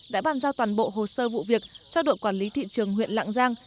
đã bàn giao toàn bộ hồ sơ vụ việc cho đội quản lý thị trường huyện lạng giang